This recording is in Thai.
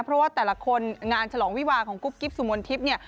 เพราะว่าแต่ละคนงานฉลองวิวาของกุ๊บกิ๊บสุมนทิพย์เนี่ย